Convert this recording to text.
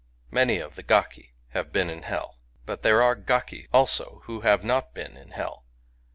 Many of the gaki have been in hell. But there are gaki also who have not been in hell.